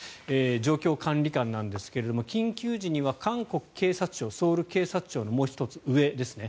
状況管理官ですが緊急時には韓国警察庁ソウル警察庁のもう１つ上ですね。